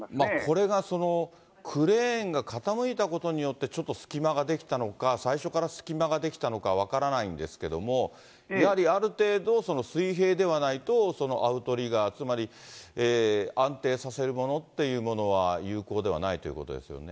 これがクレーンが傾いたことによって、ちょっと隙間が出来たのか、最初から隙間が出来たのか分からないんですけども、やはりある程度、その水平ではないと、アウトリガー、つまり安定させるものっていうものは有効ではないということです